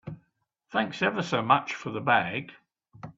Thanks ever so much for the bag.